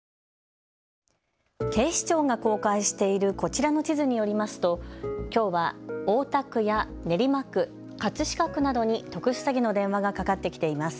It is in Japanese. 警視庁が公開しているこちらの地図によりますときょうは大田区や練馬区、葛飾区などに特殊詐欺の電話がかかってきています。